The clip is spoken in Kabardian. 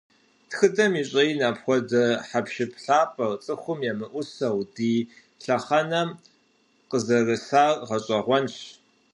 Тхыдэм и щIэин апхуэдэ хьэпшып лъапIэр, цIыху емыIусэу, ди лъэхъэнэм къызэрысар гъэщIэгъуэнщ.